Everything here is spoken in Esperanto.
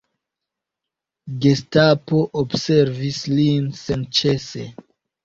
Gestapo observis lin senĉese.